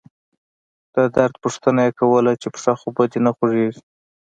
د درد پوښتنه يې کوله چې پښه خو به دې نه خوږيږي.